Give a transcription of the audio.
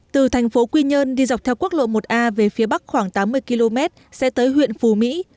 từ thành phố quy nhơn đi dọc theo quốc lộ một a về phía bắc khoảng tám mươi km sẽ tới huyện phù mỹ